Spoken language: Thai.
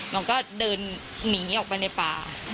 หนูก็เดินหนีออกไปในป่า